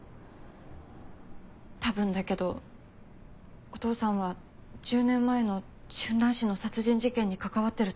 多分だけどお父さんは１０年前の春蘭市の殺人事件に関わってると思う。